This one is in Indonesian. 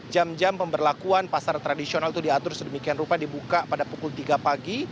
jam jam pemberlakuan pasar tradisional itu diatur sedemikian rupa dibuka pada pukul tiga pagi